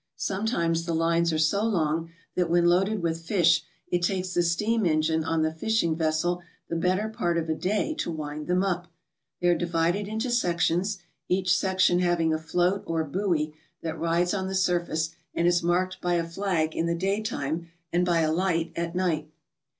Sometimes the lines are so long that when loaded 27 ALASKA OUR NORTHERN WONDERLAND with fish it takes the steam engine on the fishing vessel the better part of a day to wind them up. They are divided into sections, each section having a float or buoy that rides on the surface and is marked by a flag in the daytime and by a light at night.